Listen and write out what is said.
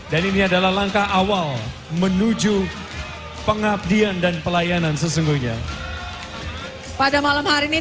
dan ini adalah langkah awal menuju pengabdian dan pelayanan sesungguhnya pada malam hari ini